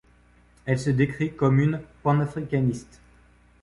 Elle se décrit comme une panafricaniste.